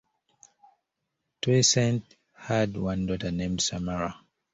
Toussaint has one daughter named Samara.